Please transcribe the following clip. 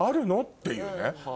っていうね。